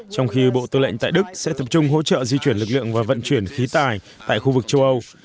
trong khi bộ tư lệnh tại đức sẽ tập trung hỗ trợ di chuyển lực lượng và vận chuyển khí tài tại khu vực châu âu